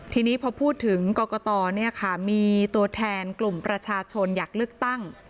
ทีนี้พอพูดถึงกรกตมีตัวแทนกลุ่มประชาชนอยากเลือกตั้ง